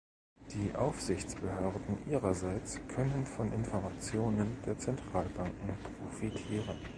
Die Aufsichtsbehörden ihrerseits können von Informationen der Zentralbanken profitieren.